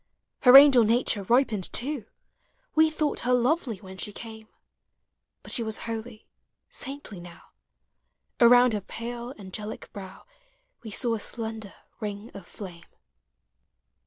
Her augel uature ripened too : We thought her lovely when she came, Hut she was holy, saintly now ... Around her pale angelic brow We saw a slender ring of flame.